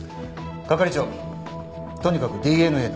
係長とにかくＤＮＡだ。